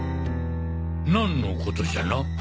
なんのことじゃな？